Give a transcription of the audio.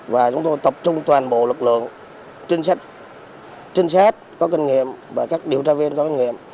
và chúng tôi tập trung toàn bộ lực lượng trinh sát trinh sát có kinh nghiệm và các điều tra viên có kinh nghiệm